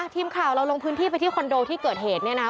ทีมข่าวเราลงพื้นที่ไปที่คอนโดที่เกิดเหตุเนี่ยนะ